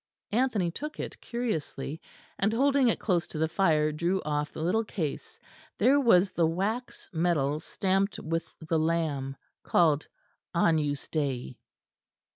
Anthony took it curiously, and holding it close to the fire drew off the little case; there was the wax medal stamped with the lamb, called Agnus Dei.